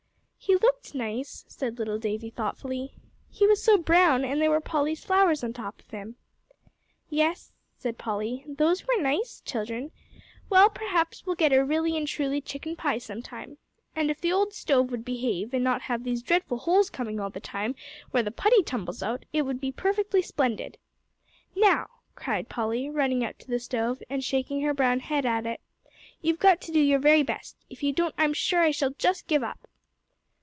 "He looked nice," said little Davie, thoughtfully, "he was so brown, and there were Polly's flowers on top of him." "Yes," said Polly, "those were nice, children. Well, p'r'aps we'll get a really and truly chicken pie sometime. And if the old stove would behave, and not have these dreadful holes coming all the time, where the putty tumbles out, it would be perfectly splendid. Now," cried Polly, running up to the stove, and shaking her brown head at it, "you've got to do your very best. If you don't, I'm sure I shall just give up!"